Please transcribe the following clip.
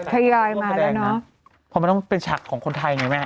เพราะมันต้องเป็นฉากของคนไทยไงแม่